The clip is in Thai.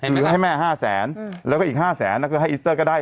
หรือให้แม่๕แสนแล้วก็อีก๕แสนก็ให้อิสเตอร์ก็ได้